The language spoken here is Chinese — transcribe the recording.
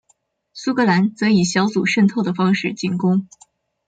苏格兰则以小组渗透的方式进攻。